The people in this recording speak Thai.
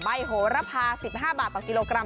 โหระพา๑๕บาทต่อกิโลกรัม